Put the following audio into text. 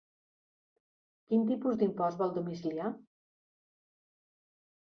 Quin tipus d'impost vol domiciliar?